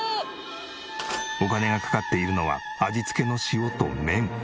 お金がかかっているのは味付けの塩と麺。